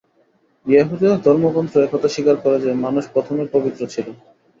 য়াহুদীদের ধর্মগ্রন্থ এ-কথা স্বীকার করে যে, মানুষ প্রথমে পবিত্র ছিল।